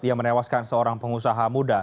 yang menewaskan seorang pengusaha muda